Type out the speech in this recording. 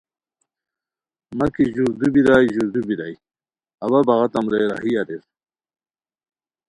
مہ کی ژوردو بیرائے ژوردو بیرائے اوا بغاتام رے راہی اریر